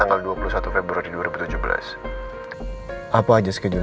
kalau dia mau minum